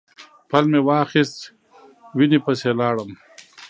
پل مې واخیست وینې پسې لاړم.